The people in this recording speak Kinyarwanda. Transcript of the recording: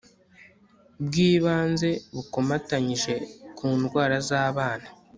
bwi banze bukomatanyije ku ndwara z'abana